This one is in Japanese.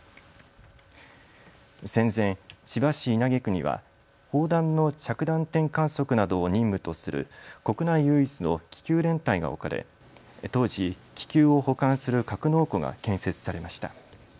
戦前、千葉市稲毛区には砲弾の着弾点観測などを任務とする国内唯一の気球連隊が置かれ、当時、気球を保管する格納庫が建設されました。